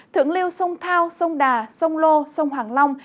thưởng liêu sông thao sông đà sông lô sông hoàng long